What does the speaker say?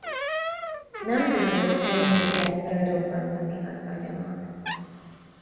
Nem tudod az elméddel felrobbantani az agyamat.